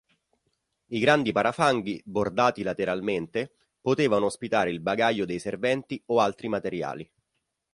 I grandi parafanghi, bordati lateralmente, potevano ospitare il bagaglio dei serventi o altri materiali.